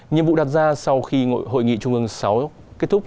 nhiệm vụ đặt ra sau khi hội nghị trung ương sáu kết thúc